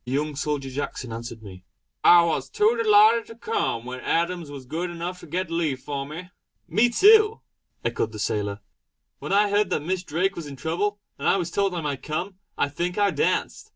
The young soldier Jackson answered me: "I was too delighted to come, when Adams was good enough to get leave for me." "Me too!" echoed the sailor "When I heard that Miss Drake was in trouble, and I was told I might come, I think I danced.